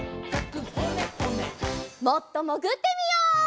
もっともぐってみよう！